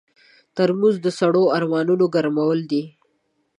ترموز د سړو ارمانونو ګرمول دي.